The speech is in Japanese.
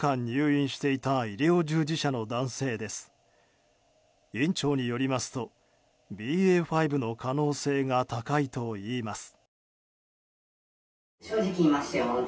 院長によりますとＢＡ．５の可能性が高いといいます。